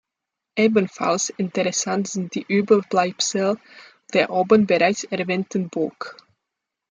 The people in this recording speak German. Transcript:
Ebenfalls interessant sind die Überbleibsel der oben bereits erwähnten Burg.